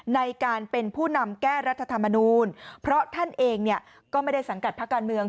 ในการเป็นผู้นำแก้รัฐธรรมนูลเพราะท่านเองเนี่ยก็ไม่ได้สังกัดพักการเมือง